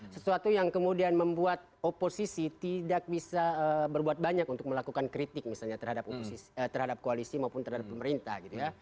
sesuatu yang kemudian membuat oposisi tidak bisa berbuat banyak untuk melakukan kritik misalnya terhadap koalisi maupun terhadap pemerintah gitu ya